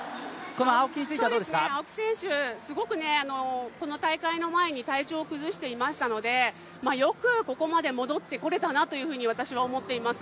青木選手、この大会の前に体調を崩していましたのでよくここまで戻って来れたなというふうに私は思っています。